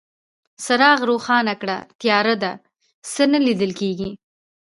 څراغ روښانه کړه، تياره ده، څه نه ليدل کيږي.